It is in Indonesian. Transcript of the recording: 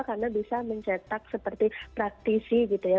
karena bisa mencetak seperti praktisi gitu ya